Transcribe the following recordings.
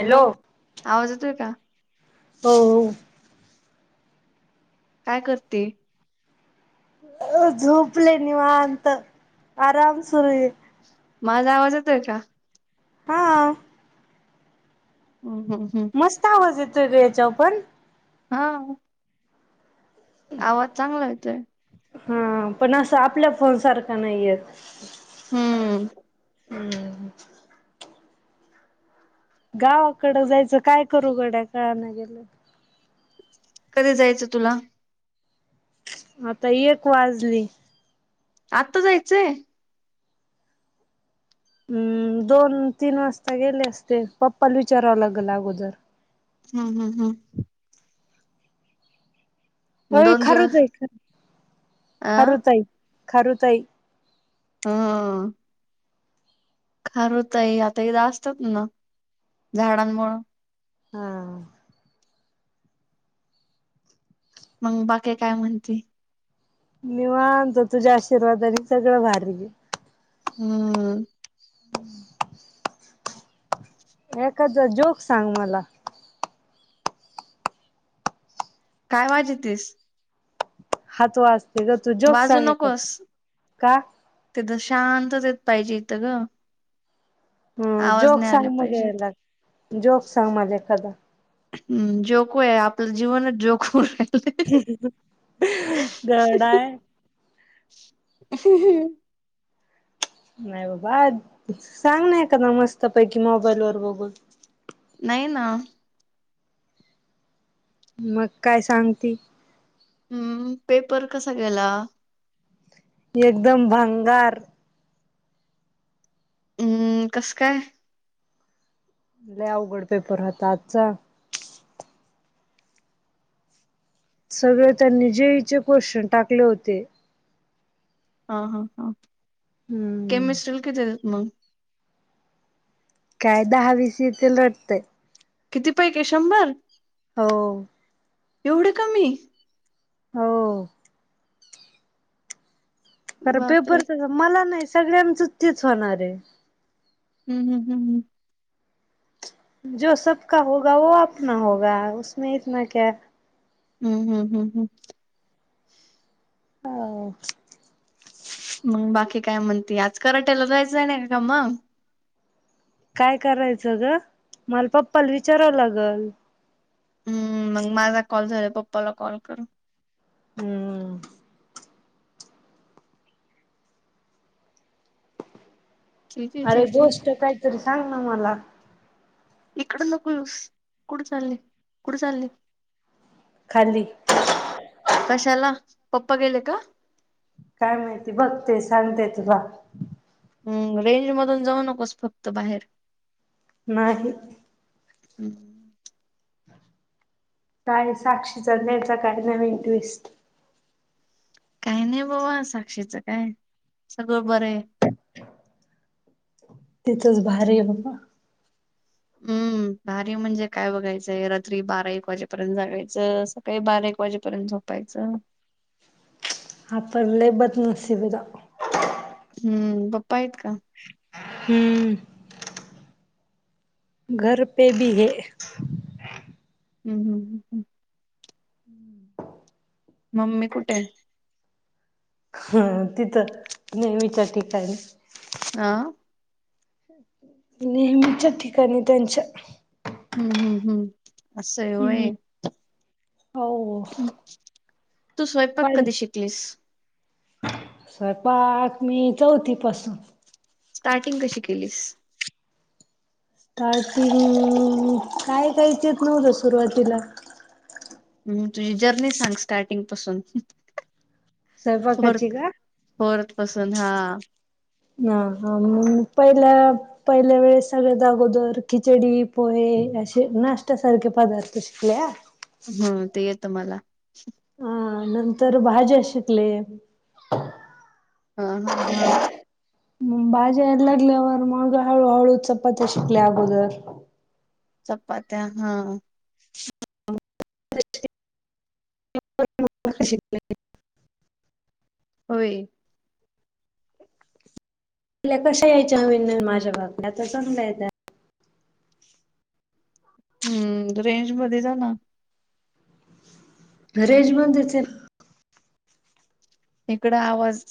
Hello आवाज येतोय का हो हो काय करतीय अ झोपले निवांत आराम सुुरु आहे माझा आवाज येतोय का हा हम्म हम्म हम्म मस्त आवाज येतोय याच्या पण हा आवाज चांगला येतोय हा पण असं आपल्या फोन सारखा नाहीय हम्म गावाकडं जायचं काय करू घड्या कळाान गेलं कधी जायचं तुला आता एक वाजली आता जायचंय हम्म दोन तीन वाजता गेले असते पप्पाला विचारावं ला गल अगोदर हम् हम् हम् हो हम्म दोन खरच दिवस आहे ख खर अं तई खर तई हा खर हो तई आता इदां असतात ना झाडांमुळेळं हा मग बाकीे काय म्हणती मी मानतो तुझ्या आशीर्वादने सगळं भारी ग हम्म एखादा जोक सांग मला काय वाज तस हात वा असते ग तू जोक वाजू सांगे नकोस का तिथं शांतत पाहिजे इथं ग हम् आवाज नाही जोक्सग आले पाहिजेत मगला जोक् सांग माजा कदा हम्म जोको आहे आपलं जीवनच जोकू आहे गडा आहे ह् ह् नाही बाबा सांग ना कदा मस्त पैकी मोबाईल वर बघून नाही ना मग काय सांगते हम्म पेपर कसा गला एकदम भंगार हम्म कसं काय अवघड पेपर होता आजचा सगळे त्यांनी जेईचे क्वेशचन टाकले होते हा हा हा हम्म केमिस्ट्रील किती मग काय दहावीस येतील रटतं किती पैके शंभर हो एवढं कमी हो कारण बापरे पेपरच मला नाही सगळ्यांना चुतीच होणार आहे हम् हम हम् हम जो सब का होग हम्म व आपना होग उसमे इतना क हम्म हम् हम् हम् हो मग बाकी काय म्हणते आज कराटेला जायचं नाही का का मग काय करायचं ग मला पप्पाला विचारावं लागल हम्म मग माझा कॉल झाला पप्पाला कॉल करून हम्म ची ची अरे ची ची गोष्ट काहीतरी सांग ना मला इकड नकोस कुठ चालले कुठे चालले खाली [inaudible] कशाला पप्पा गेले का? काय माहिती बघ ते सांगते तुला हम रेंज मधून जाऊ नकोस फक्त बाहेर, नाही, [unintelligible] काय साक्षीचा न्यायचा काही न म इंटस्ट काही नाही बाबा साक्षीच काय, सगळं बरं आहे. तिथंच भर आहे बाबा हम्म, भारी म्हणजे काय बघायचंय रात्री बारा एक वाजेपर्यंत जागायचं सकाळी बारा एक वाजेपर्यंत झो पायाच आप आपणले बद नसिबध हम्म पप्पा आहेत का? हम्. घर पे भी हेै! हम् हम् ह ह. [unintelligible] मम्मी कुठे हा तिथं नेहमी च्या ठिकाणी ह! [inaudible] नेहमीच्या ठिकाणी त्यांच्या. हम्म हम्म हम्म हम्म असंवय, [inaudible] हो तू स्वयंपाक पण कधी शिकलीस, स्वयंपाक मी चौथीपसून. स्टार्टिंग कशी केलीस, तर त काय काय तेच नव्हतं सुरुवातीला, हम् तुझी जर्नी सांग स्टार्टिंग पासून, [inaudible] बर स्वयंपाकाची का? फरत पसून हा. ह ह पहिला. पहिल्या वेळेस सगळे जागोदर खिचडी पोहे असे नाश्त्या सारखे पदार्थ शिकल्या आ हम्म ते येत मला. अ नंतर भाज्या शिकले हा हा हा बाज्या एलरलीवर मग हळू-हळू चपती शिकले अगोदर चपात्या ह. [unintelligible] होय, आपल्या कशा यायच्या हम्न माझ्या बागल्या तर चांगला आहेेत हम्म रेंज मध्ये जा ना? रेंज मधेच आहे इकड आवाज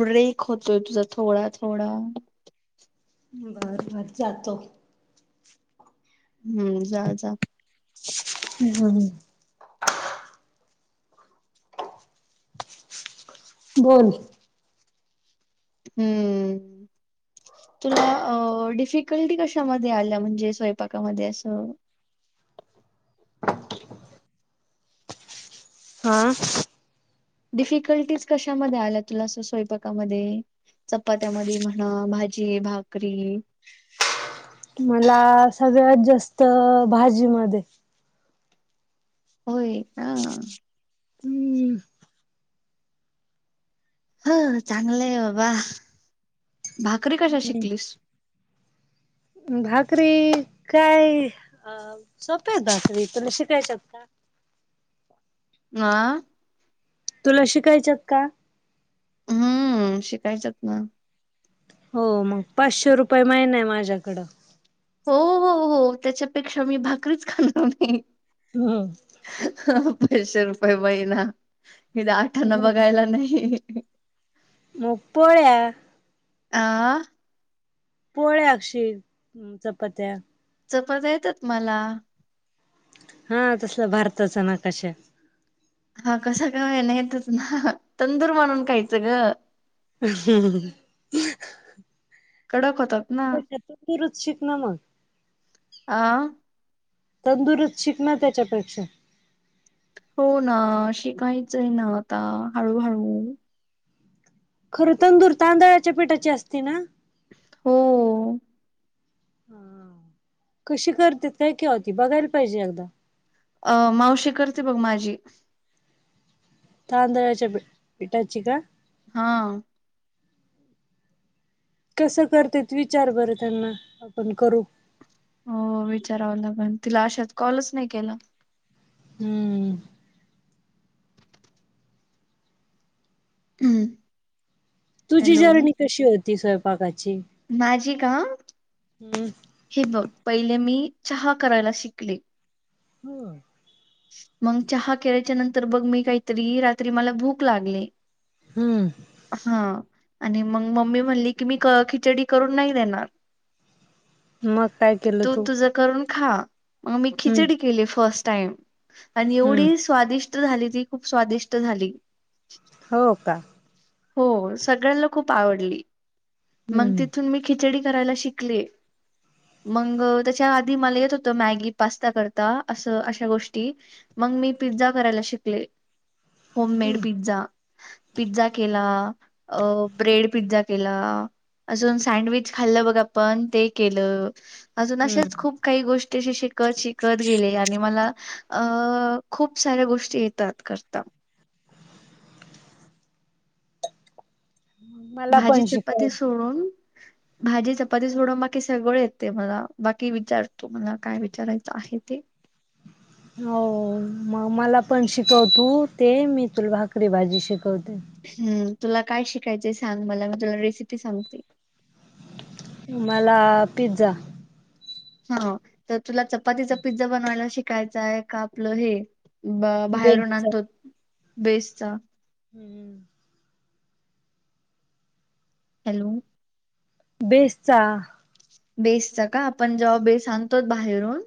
ब्रेक होतोय तुझा थोडा-थोडा बर-बर जातो. हम्म जा-जा हम् हम् हम्, [inaudible] बोल, हम्म तुला डिफिकल्टी कशामध्ये आल्या म्हणजे स्वयंपाकामध्ये असं हा. डिफिकल्टीज कशामध्ये आल्या तुला स्वयंपाकामध्ये चपात्यामध्ये म्हणा भाजी भाकरी मला सगळ्यात जास्त भाजी मध्ये होय ह हम्म ह चांगलंय बाबा भाकरी कशा शिकलीस. भाकरी काय अ सोपे भाकरी तुला शिकायच्या का? आह तुला शिकायच्यात का? हम्म शिकायचंच ना हो मग पाचशे रुपये महिना आहे. माझ्याकडं हो हो हो त्याच्यापेक्षा मी भाकरीच खा नाही हो. हा पैशे रुपये महिना क आठांना बघायला नाही मो पोळ्या आ पोळ्या अक्षर चपात्या चपात्या येतात. मला हा तसलं भारताचं नकाशा हा कसं का होई ना येतंच ना तंदूर म्हणून खयचं ग ह हम कडक होतात. ना. तुही रूच शिक ना मग [inaudible] आ.. तंदुरुस्त शिकणार त्याच्यापेक्षा हो ना शिकायचं आहे. ना आता हळूहळू खरं तंदूर तांदळाच्या पीठाची असते. ना हो कशी करते काय की होती बघायला पाहिजे. एकदा अ मावशी करते. बघ माझी तांदळाच्या पिठाची का? हा कसं करते, विचार बरं त्यांना आपण करू. विचाराव ला तिला अशात कॉलच नाही केला. हम्म.. हम्म.. तुझी जर्नी कशी होती स्वयंपाकाची माझी का? हम्म हे बघ पहिले मी चहा करायला शिकले. हो मग चहा करायच्या नंतर बघ मी काहीतरी रात्री मला भूक लागली हम्म हा आणि मग मम्मी म्हणली की मी क खिचडी करून नाही देणार [inaudible] मग काय केलं तू? करून खाव मग मी हम्म खिचडी केली फर्स्ट टाइम. आणि हम्म एवढी स्वादिष्ट झाली. ती खूप स्वादिष्ट झाली. हो का? हो सगळ्यांला खूप आवडली. मग हम्म तिथून मी खिचडी करायला शिकली. मग त्याच्या आधी मला येत होतं मॅगी पास्ता करता असं अशा गोष्टी मग मी पिझ्झा करायला शिकले होम मेड हम्म पिझ्झा पिझ्झा केला. अ ब्रेड पिझ्झा केला. अजून सँडविच खाल्लं बघा. पण ते केलं. अजून असेच हम्म खूप काही गोष्टीे, अशे शिकत - शिकत गेले. आणि मला अ खूप साऱ्या गोष्टी येतात, करता. मला भाजी - पण शिकव चपाती सोडून भाजी- चपाती सोडून, बाकी सगळं येतेय मला. बाकी विचार तू मला, काय? विचारायचं आहे ते. हो. मग मला पण शिकव तू, ते. मी तुला भाकरी - भाजी शिकवते. हम्, तुला काय शिकायचंय सांग, मला. मी तुला रेसिपी सांगते. मला आ पिझ्झा. हा, तर तुला चपातीचा पिझ्झा बनवायला शिकायचाय का? आपलं हे ब बाहेरून बेसचा आणतोत, बेसचा. हम्मम. हॅलो. बेसचा. बेसच का? आपण जेव्हा बेस आणतो बाहेरून.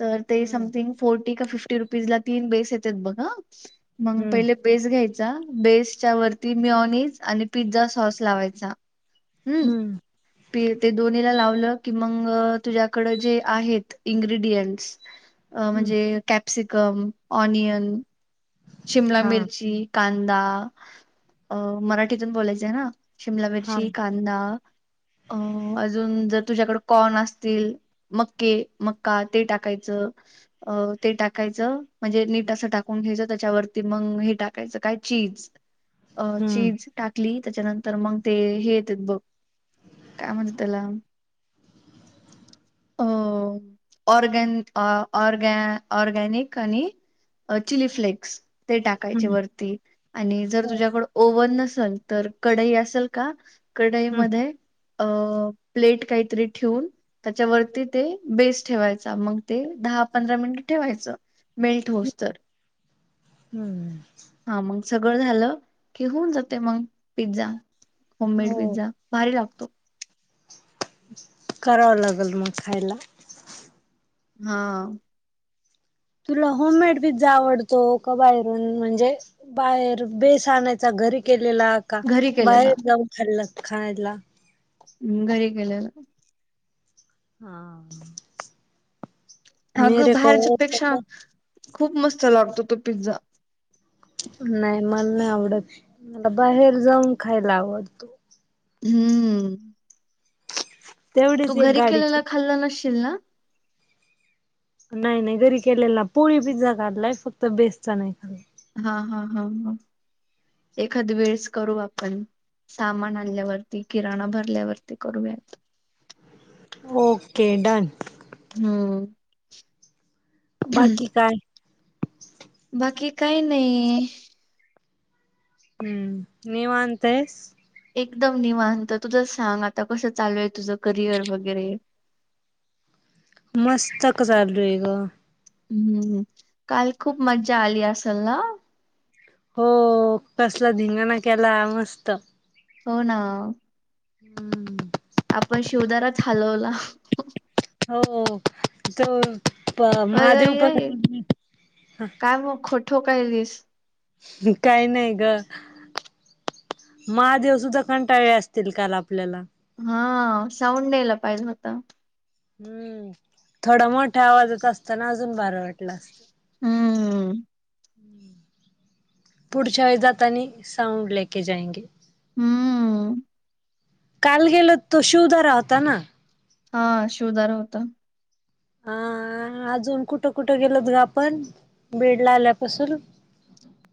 तर ते हम्म समथिंग फोर्टी का फिफ्टी रुपीज ला तीन बेस येतेत बघ, आ. मग हम्म पहिले बेस घ्यायचा, बेसच्या वरती मॉनीज आणि पिझ्झा सॉस लावायचा. हम्म. पि ते दोन्हीला लावलं की मग, तुझ्याकडं जे आहेत. इन्ग्र्रीडियंट्स अ हम्म म्हणजे कॅप्सिकम, ऑनियन शिमला हा मिरची, कांदा अ मराठीतून बोलायचय ना. शिमला हा मिरची, कांदा अ अजून, जर तुझ्याकडे कॉर्न असतील मक्के, मक्का ते टाकायचं. अ ते टाकायचं. म्हणजे नीट असं टाकून घ्यायचं. त्या त्याच्यावरती मग हे टाकायचं. काय चीज. हम्म चीज टाकली. त्याच्यानंतर मग ते हे येतेत बघ. काय म्हणतेत तेला. हो. ऑर्गन, अ ऑर्ग ऑर्गॅनिक आणि अ चिलीफ्लेक्स ते टाकायचे, हम्म वरती. आणि जर हो तुझ्याकड, ओव्हन नसल. तर, कढई असल का हम्म कढाईमध्ये, अ प्लेट काहीतरी ठेवून त्याच्या वरती ते बेस ठेवायचा. मग ते दहा -पंधरा मिनिट ठेवायचं. मेल्ट होऊस्तर. हम्म. हा मग सगळं झालं की, होऊन जातय मग, पिझ्झा. होम मेड हो पिझ्झा. भारी लागतो. कराव लागल मग खायला. हा. तुला होममेड पिझ्झा आवडतो का? बाहेरून म्हणजे बाहेर. बेस आणायचा. घरी केलेला का? घरी केलेला बाहेर जाऊन खाल्ला, खायला. हम् घरी केलेला. हा. अगं मेरे को बाहेरच्या पेक्षा [unintelligible] खूप मस्त लागतो तो पिझ्झा. नाही मला नाही आवडत. मला बाहेर जाऊन खायला आवडतो. हम्म. तू तेवढीच एक घरी गाडीची केलेला खाल्ला नसशील ना? नाही- नाही घरी केलेला, पोळी पिझ्झा खाल्लाय. फक्त बेसचा नाही खाल्ला. हा, हा, हा, ह. एखाद वेळेस करू आपण. सामान हम्म आणल्यावर. ती किराणा भरल्यावरती करूयात. ओके. डन. हम बाकी काय? बाकी काही नाही. हम्म निवांत हायस एकदम निवांत तुझं सांग आता कसं चालू आहे? तुझं करियर वगैरे मस्त तक चालू हायग हम्म काल खूप मज्जा आली असल ना. हो... कसला? धिंगाणा केला मस्त. हो ना हम्म [inaudible] आपण शिवदाराच हलवला हो... [inaudible] अय, महादेव अई.. अई.. पण काय मग खोठो कायलीस. काही नाही गं [inaudible] [inaudible] महादेव सुद्धा कंटाळले असतील काल आपल्याला. हा.. साऊंड न्यायला पाहिजे होत. हम्म थोडा मोठ्या आवाजात असताना अजून बारं वाटलं असत. हम्म. [inaudible] पुढच्या वेळे जातानी साऊंड लेके जायंगे हम्म.. काल गेल तो शिवधारा होता ना? हा शिवधारा होता. हा अजून कुठं? कुठं? गेलोत ग आपण बीड ला आल्यापासून,